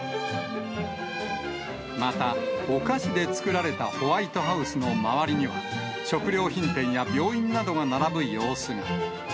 また、お菓子で作られたホワイトハウスの周りには、食料品店や病院などが並ぶ様子が。